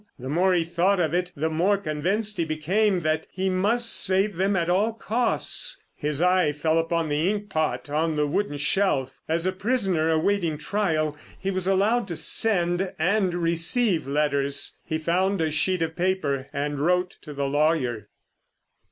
The more he thought of it the more convinced he became that he must save them at all costs. His eye fell upon the ink pot on the wooden shelf. As a prisoner awaiting trial he was allowed to send and receive letters. He found a sheet of paper and wrote to the lawyer.